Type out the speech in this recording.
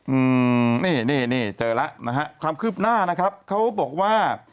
อืมนี่นี่เจอแล้วนะฮะความคืบหน้านะครับเขาบอกว่า